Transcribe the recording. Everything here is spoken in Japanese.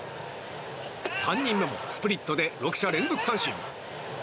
３人目もスプリットで６者連続三振。